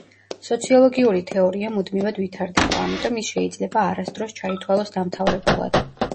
სოციოლოგიური თეორია მუდმივად ვითარდება, ამიტომ ის შეიძლება არასდროს ჩაითვალოს დამთავრებულად.